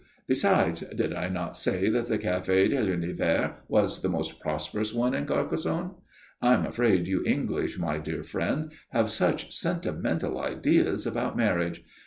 Besides, did I not say that the Café de l'Univers was the most prosperous one in Carcassonne? I'm afraid you English, my dear friend, have such sentimental ideas about marriage.